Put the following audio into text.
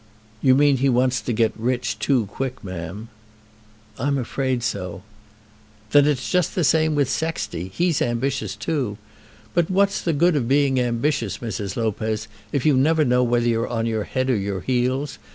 "You mean he wants to get rich too quick, ma'am." "I'm afraid so." "Then it's just the same with Sexty. He's ambitious too. But what's the good of being ambitious, Mrs. Lopez, if you never know whether you're on your head or your heels?